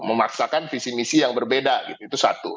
memaksakan visi misi yang berbeda gitu itu satu